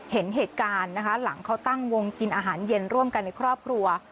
เห็นเหตุการณ์นะคะหลังเขาตั้งวงกินอาหารเย็นร่วมกันในครอบครัว